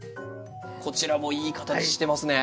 こちらもいい形してますね。